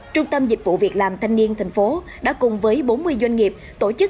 trung tâm dịch vụ việc làm thanh niên tp hcm đã cùng với bốn mươi doanh nghiệp tổ chức